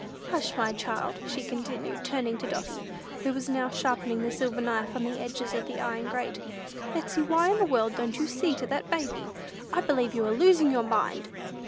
"Hush, my child," she continued, turning to Dotty, who was now sharpening the silver knife on the edges of the iron grate. "Betsey, why in the world don't you see to that baby? I believe you are losing your mind!"